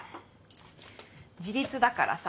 自立だからさ。